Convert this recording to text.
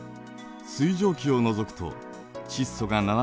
水蒸気を除くと窒素が７８％。